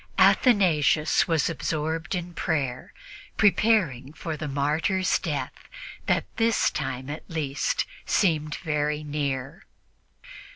Athanasius was absorbed in prayer, preparing for the martyr's death that, this time at least, seemed very near.